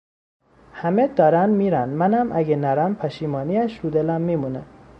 همه دارن میرن منم اگه نرم پشیمانی اش رو دلم میمونه